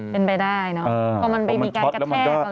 เป็นไปได้เนาะ